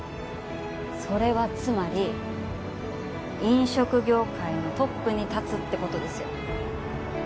それはつまり飲食業界のトップに立つって事ですよ。